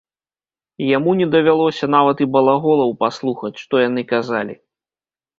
Яму не давялося нават і балаголаў паслухаць, што яны казалі.